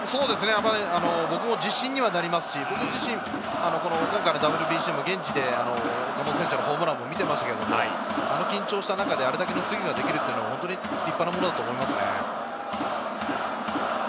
僕も自信にはなりますし、僕自身、今回のＷＢＣも現地で岡本選手のホームランを見ていましたが、あれだけのスイングが緊張の中でできるのは立派だと思いますね。